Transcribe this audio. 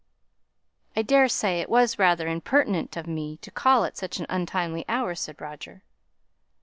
"I daresay it was rather impertinent of me to call at such an untimely hour," said Roger.